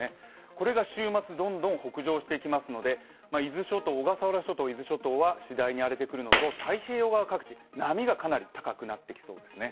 これが週末、どんどん北上していきますので、小笠原諸島、伊豆諸島は次第に荒れてくるのと、太平洋側は各地波がかなり高くなってきそうですね。